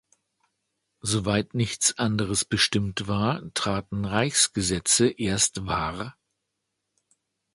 Soweit nichts anderes bestimmt war, traten Reichsgesetze erst war.